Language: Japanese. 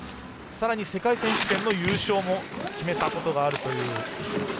さらに世界選手権の優勝も決めたことがあるという。